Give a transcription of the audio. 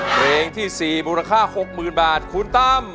เพลงที่๔มูลค่า๖๐๐๐บาทคุณตั้ม